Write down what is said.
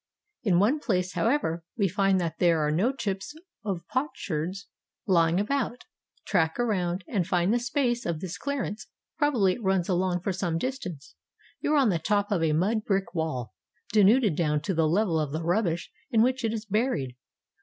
In one place, however, we find that there are no chips of potsherds lying about: track around, and find the space of this clearance, probably it runs along for some distance; you are on the top of a mud brick wall, denuded down to the level of the rubbish in which it is buried.